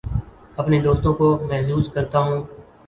اپنے دوستوں کو محظوظ کرتا ہوں